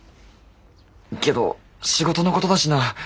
けど仕事のことだしな。